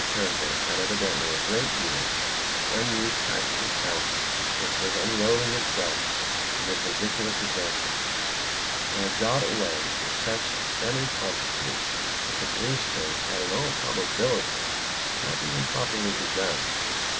Turnbull had evidently a great deal of unused practical talent which was unrolling itself in this ridiculous adventure. They had got away with such stunning promptitude that the police chase had in all probability not even properly begun.